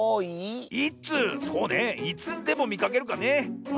そうねいつでもみかけるかね。